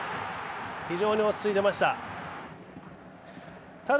非常に落ち着いていました。